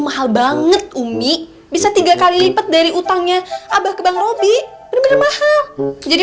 mahal banget umik bisa tiga kali lipat dari utangnya abah ke bank robby bea mahal mendingan